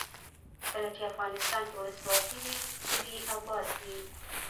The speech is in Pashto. کله چې افغانستان کې ولسواکي وي کلي اباد وي.